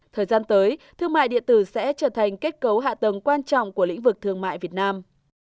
thời gian tới thương mại điện tử sẽ trở thành kết cấu hạ tầng quan trọng của lĩnh vực thương mại việt nam